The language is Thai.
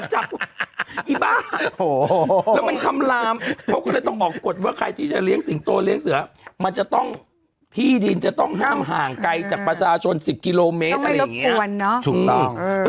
ชนสิบกิโลเมตรอะไรอย่างเงี้ยต้องไม่รบปวนเนาะถูกต้องเออ